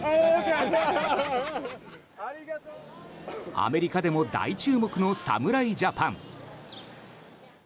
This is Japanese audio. アメリカでも大注目の侍ジャパン。